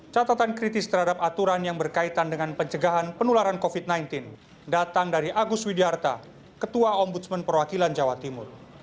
catatan kritis terhadap aturan yang berkaitan dengan pencegahan penularan covid sembilan belas datang dari agus widyarta ketua ombudsman perwakilan jawa timur